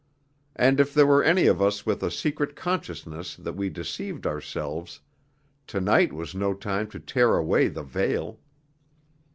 And if there were any of us with a secret consciousness that we deceived ourselves, to night was no time to tear away the veil.